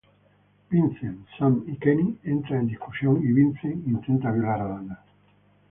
Vincent, Sam y Kenny entran en discusión y Vincent intenta violar a Dana.